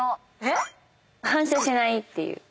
反射しないっていう。